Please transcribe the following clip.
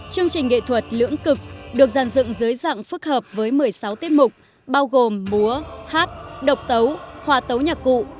chương trình nghệ thuật lưỡng cực được dàn dựng dưới dạng phức hợp với một mươi sáu tiết mục bao gồm múa hát độc tấu hòa tấu nhạc cụ